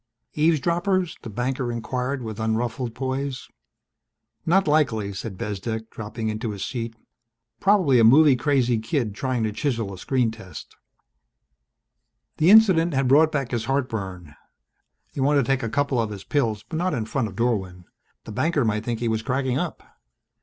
"Eavesdroppers?" the banker inquired with unruffled poise. "Not likely," said Bezdek, dropping into his seat. "Probably a movie crazy kid trying to chisel a screen test." The incident had brought back his heartburn. He wanted to take a couple of his pills but not in front of Dorwin. The banker might think he was cracking up.